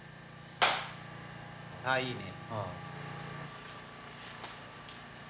あいいね。